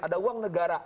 ada uang negara